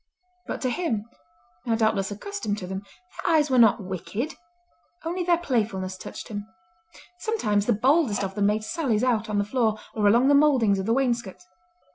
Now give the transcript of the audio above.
But to him, now doubtless accustomed to them, their eyes were not wicked; only their playfulness touched him. Sometimes the boldest of them made sallies out on the floor or along the mouldings of the wainscot.